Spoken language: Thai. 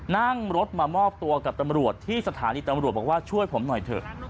นั่งรถมามอบตัวกับตำรวจที่สถานีตำรวจบอกว่าช่วยผมหน่อยเถอะ